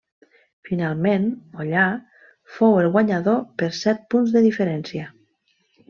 Finalment, Mollà fou el guanyador per set punts de diferència.